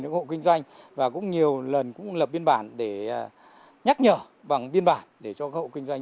những hộ kinh doanh và cũng nhiều lần cũng lập biên bản để nhắc nhở bằng biên bản để cho các hộ kinh doanh